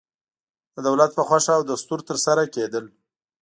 د دولت په خوښه او دستور ترسره کېدل.